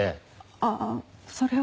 ああそれは。